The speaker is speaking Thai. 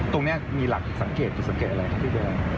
ตรงนี้มีหลักสังเกตสังเกตอะไรครับพี่เวียร์